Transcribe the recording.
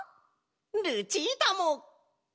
ルチータも！